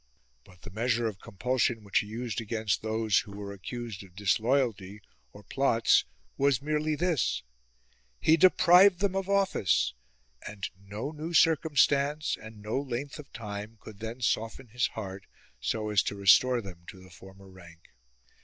But the measure of compulsion which he used against those who were accused of disloyalty or plots was merely this : he deprived them of office, and no new circumstance 128 LEWIS'S PIETY and no length of time could then soften his heart so as to restore them to the former rank.